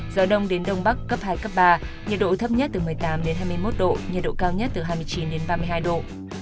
gió đông đến đông bắc cấp hai cấp ba nhiệt độ thấp nhất một mươi tám hai mươi một độ nhiệt độ cao nhất hai mươi chín ba mươi hai độ